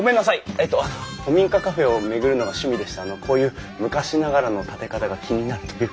えっと古民家カフェを巡るのが趣味でしてあのこういう昔ながらの建て方が気になるというか。